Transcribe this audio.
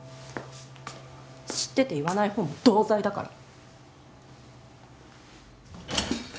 知ってて言わないほうも同罪だから！